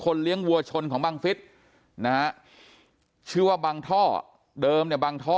คนเลี้ยงวัวชนของบางพิษนะคะชื่อว่าบางท่อเดิมบางท่อ